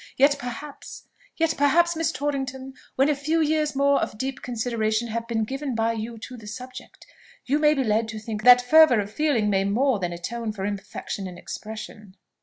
Yet, perhaps, yet, perhaps, Miss Torrington, when a few years more of deep consideration have been given by you to the subject, you may be led to think that fervour of feeling may more than atone for imperfection in expression."